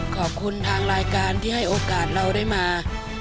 ขอบคุณทางรายการที่ให้โอกาสเราได้มา